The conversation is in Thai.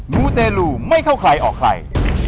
มูเตรลูไม่เข้าใครออกใคร